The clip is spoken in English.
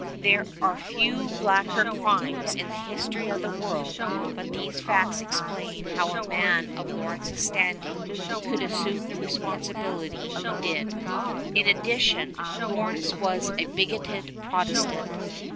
There are few blacker crimes in the history of the world; but these facts explain how a man of Lawrence's standing could assume the responsibility he did. In addition, Lawrence was a bigoted Protestant.